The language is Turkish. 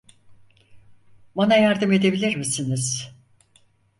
Bana yardım edebilir misiniz?